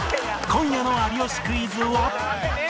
今夜の『有吉クイズ』は